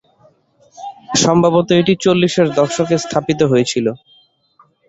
সম্ভবত এটি চল্লিশের দশকে স্থাপিত হয়েছিল।